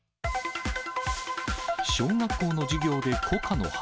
小学校の授業でコカの葉。